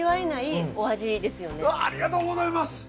わぁありがとうございます！